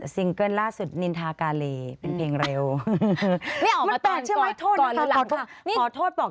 เกิ้ลล่าสุดนินทากาเลเป็นเพลงเร็ว